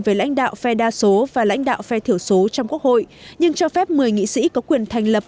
với lãnh đạo phe đa số và lãnh đạo phe thiểu số trong quốc hội nhưng cho phép một mươi nghị sĩ có quyền thành lập